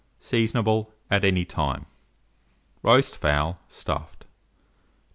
Seasonable at any time. ROAST FOWL, Stuffed. 965.